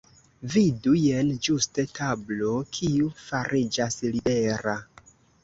Vidu! Jen ĝuste tablo kiu fariĝas libera.